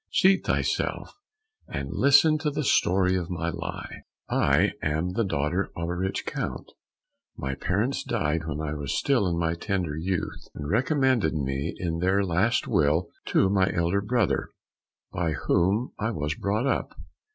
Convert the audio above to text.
Seat thyself, and listen to the story of my life: "I am the daughter of a rich count. My parents died when I was still in my tender youth, and recommended me in their last will to my elder brother, by whom I was brought up.